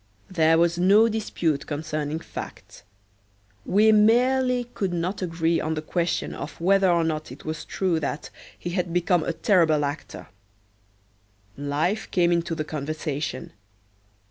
There was no dispute concerning facts. We merely could not agree on the question of whether or not it was true that he had become a terrible actor. Life came into the conversation.